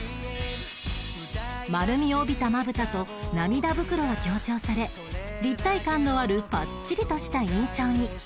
丸みを帯びたまぶたと涙袋が強調され立体感のあるパッチリとした印象に